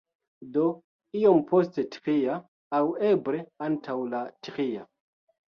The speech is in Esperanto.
Do, iom post tria aŭ eble antaŭ la tria